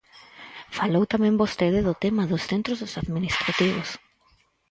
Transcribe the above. Falou tamén vostede do tema dos centros dos administrativos.